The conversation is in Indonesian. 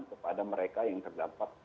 kepada mereka yang terdapat